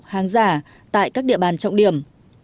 hàng giả tại các địa bàn trọng điểm